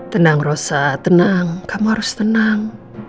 tenang rosa tenang kamu harus tenang